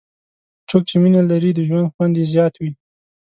څوک چې مینه لري، د ژوند خوند یې زیات وي.